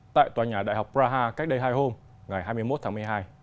tại tòa nhà đại học praha cách đây hai hôm ngày hai mươi một tháng một mươi hai